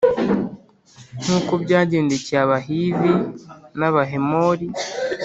nk’uko byagendekeye Abahivi n’Abahemori,